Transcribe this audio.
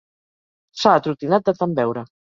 S'ha atrotinat de tant beure.